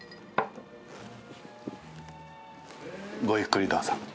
ごゆっくりどうぞ。